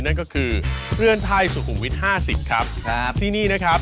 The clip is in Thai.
นั่นก็คือเรือนไทยสุขุมวิทยห้าสิบครับครับที่นี่นะครับ